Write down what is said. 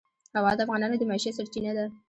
هوا د افغانانو د معیشت سرچینه ده.